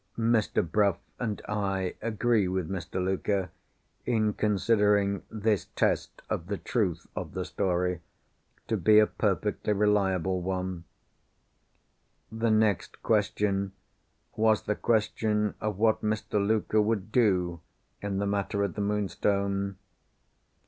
Mr. Bruff and I agree with Mr. Luker, in considering this test of the truth of the story to be a perfectly reliable one. The next question, was the question of what Mr. Luker would do in the matter of the Moonstone.